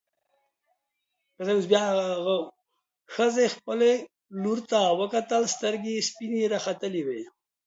ښځې خپلې لور ته وکتل، سترګې يې سپينې راختلې وې.